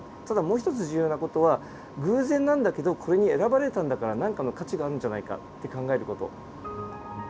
ただもう一つ重要な事は偶然なんだけどこれに選ばれたんだから何かの価値があるんじゃないかって考える事。